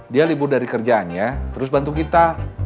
dia libur dari kerjaannya terus bantu kita